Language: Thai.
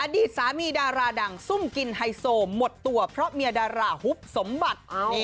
อดีตสามีดาราดังซุ่มกินไฮโซหมดตัวเพราะเมียดาราฮุบสมบัติ